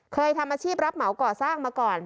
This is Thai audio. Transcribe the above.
เคยทำอาชีพรับเหมาก่อสร้างมาก่อน